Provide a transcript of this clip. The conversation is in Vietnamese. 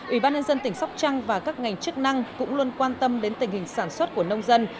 ủy ban nhân dân tỉnh sóc trăng và các ngành chức năng cũng luôn quan tâm đến tình hình sản xuất của nông dân